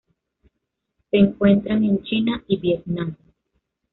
Se encuentran en China y Vietnam.